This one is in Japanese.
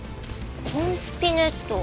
「コンスピネット」？